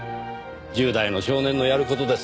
１０代の少年のやる事です。